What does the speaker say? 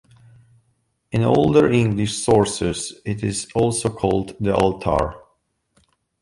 In older English sources it is also called The Altar.